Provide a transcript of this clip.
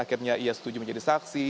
akhirnya ia setuju menjadi saksi